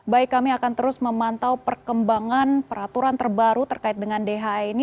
baik kami akan terus memantau perkembangan peraturan terbaru terkait dengan dhe ini